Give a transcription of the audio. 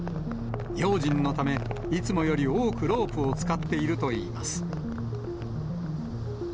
用心のため、いつもより多くロープを使っているといいます。